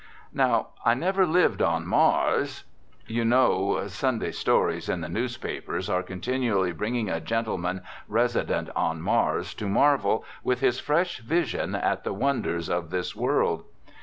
Now, I never lived on Mars You know "Sunday stories" in the newspapers are continually bringing a gentleman resident on Mars to marvel, with his fresh vision, at the wonders of this world.